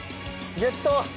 ゲット。